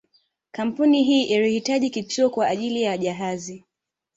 Kampuni hii ilihitaji kituo kwa ajili ya jahazi